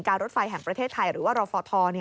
รถไฟแห่งประเทศไทยหรือว่ารฟท